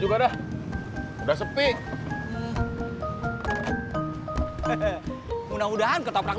baru baru lagi pagi tulis